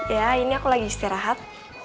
ya ini aku lagi istirahat